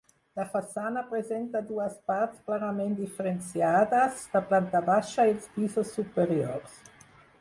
La façana presenta dues parts clarament diferenciades, la planta baixa i els pisos superiors.